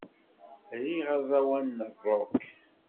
Riɣ aẓawan n rock.